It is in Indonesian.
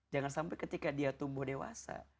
jangan sampai ketika dia tumbuh dewasa